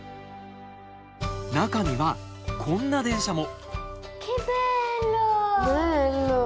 中にはこんな電車も。